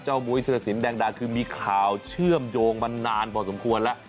มุยธิรสินแดงดาคือมีข่าวเชื่อมโยงมานานพอสมควรแล้ว